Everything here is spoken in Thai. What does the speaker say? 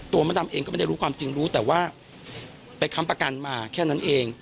มดดำเองก็ไม่ได้รู้ความจริงรู้แต่ว่าไปค้ำประกันมาแค่นั้นเอง